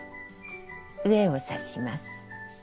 上を刺します。